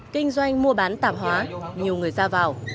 kinh doanh mua bán tạp hóa nhiều người ra vào